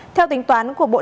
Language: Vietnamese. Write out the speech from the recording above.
theo tính toán của bộ y tế